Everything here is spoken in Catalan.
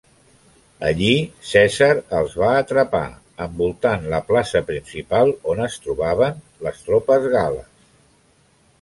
Allí Cèsar els va atrapar, envoltant la plaça principal on es trobaven les tropes gal·les.